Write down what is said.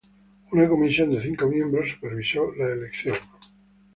Una comisión de cinco miembros supervisó la elección.